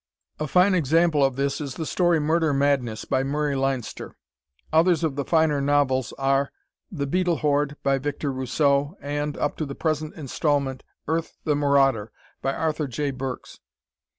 A fine example of this is the story "Murder Madness," by Murray Leinster. Others of the finer novels are: "The Beetle Horde," by Victor Rousseau, and, up to the present installment, "Earth, the Marauder," by Arthur J. Burks.